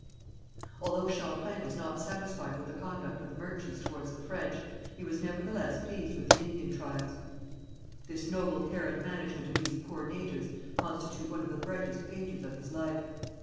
Although Champlain was not satisfied with the conduct of the merchants towards the French, he was nevertheless pleased with the Indian tribes. This noble care and management of these poor natives constitute one of the brightest pages of his life.